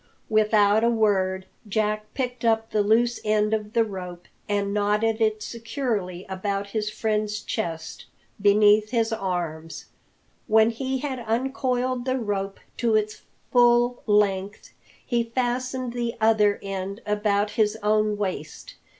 Without a word Jack picked up the loose end of the rope and knotted it securely about his friend's chest, beneath his arms. When he had uncoiled the rope to its full length, he fastened the other end about his own waist.